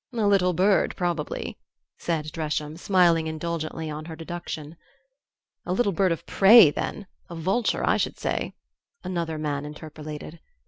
"A little bird, probably," said Dresham, smiling indulgently on her deduction. "A little bird of prey then a vulture, I should say " another man interpolated.